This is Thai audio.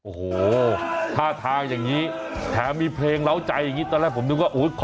โอ้โหท่าทางอย่างนี้แถมมีเพลงเหล้าใจอย่างนี้ตอนแรกผมนึกว่า